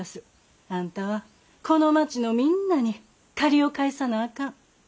あんたはこの街のみんなに借りを返さなあかん。